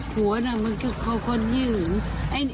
ผัวน่ะมันคือคนขี้หึง